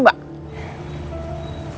liat teman uppa